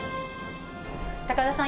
高田さん